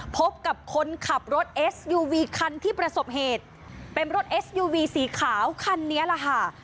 พบกับคนขับรถเอสยูวีคันที่ประสบเหตุเป็นรถเอสยูวีสีขาวคันนี้แหละค่ะ